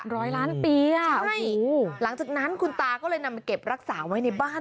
ร้อยล้านปีอ่ะโอ้โหหลังจากนั้นคุณตาก็เลยนำมาเก็บรักษาไว้ในบ้าน